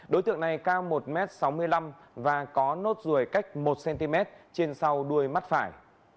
đối tượng này cao một m sáu mươi năm và có nốt ruồi cách một cm trên sau đuôi mắt phải